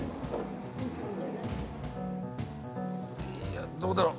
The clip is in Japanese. いやどうだろ。